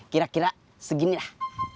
kira kira segini lah